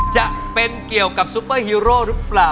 จะเป็นเกี่ยวกับซุปเปอร์ฮีโร่หรือเปล่า